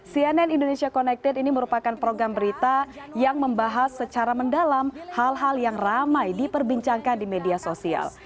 cnn indonesia connected ini merupakan program berita yang membahas secara mendalam hal hal yang ramai diperbincangkan di media sosial